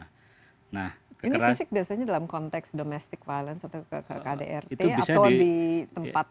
nah ini fisik biasanya dalam konteks domestic violence atau ke kdrt atau di tempat